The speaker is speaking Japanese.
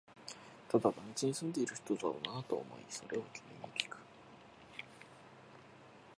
ただ、団地に住んでいる人だろうなとは思い、それを君にきく